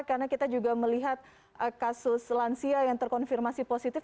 karena kita juga melihat kasus lansia yang terkonfirmasi positif